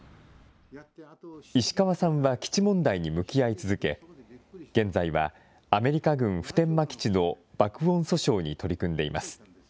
石川さんは基地問題に向き合い続け、現在は、アメリカ軍普天間基地の爆音訴訟に取り組んでいます。